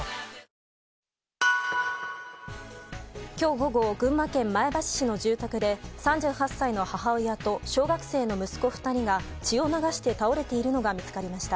午後群馬県前橋市の住宅で３８歳の母親と小学生の息子２人が血を流して倒れているのが見つかりました。